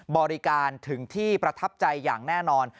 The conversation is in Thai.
บริการถึงที่ประทับใจอย่างแน่นอน